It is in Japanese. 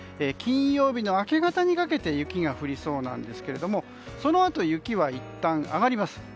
金曜日の明け方にかけて雪が降りそうなんですけどもそのあと雪はいったん上がります。